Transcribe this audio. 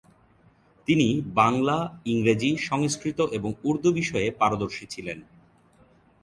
তিনি বাংলা, ইংরেজি, সংস্কৃত এবং উর্দু বিষয়ে পারদর্শী ছিলেন।